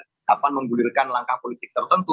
tidak akan menggulirkan langkah politik tertentu